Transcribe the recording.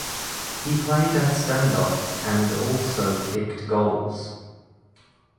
He played at Stand Off and also kicked goals.